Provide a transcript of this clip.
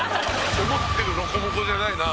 「思ってるロコモコじゃないな」